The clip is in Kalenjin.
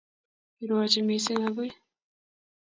Irwochi mising agui